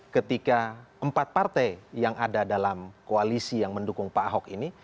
ketika empat partai yang ada dalam koalisi yang mendukung pak ahok ini